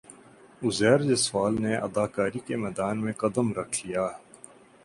عزیر جسوال نے اداکاری کے میدان میں قدم رکھ لیا